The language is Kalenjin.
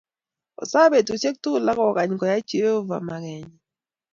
Osaa betushek tuguk akokany koyai Jeovah makenyi